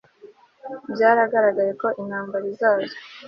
Byaragaragaye ko intambara izaza